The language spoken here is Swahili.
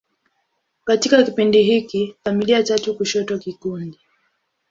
Katika kipindi hiki, familia tatu kushoto kikundi.